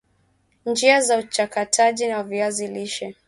Njia za uchakataji wa viazi lishe